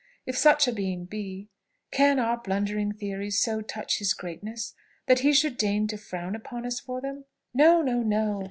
If such a Being be, can our blundering theories so touch his greatness that he should deign to frown upon us for them? No, no, no!